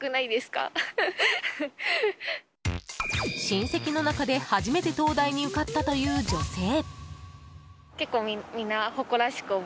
親戚の中で初めて東大に受かったという女性。